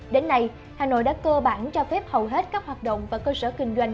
đến nay hà nội đã cơ bản cho phép hầu hết các hoạt động và cơ sở kinh doanh